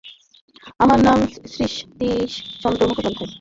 আমার নাম শ্রীসতীশচন্দ্র মুখোপাধ্যায়।